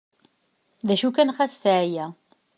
D acu kan ɣas teɛya.